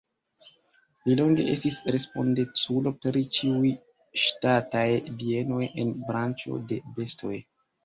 Li longe estis respondeculo pri ĉiuj ŝtataj bienoj en branĉo de bestoj.